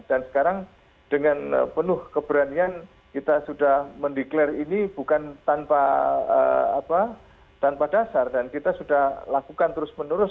sekarang dengan penuh keberanian kita sudah mendeklarasi ini bukan tanpa dasar dan kita sudah lakukan terus menerus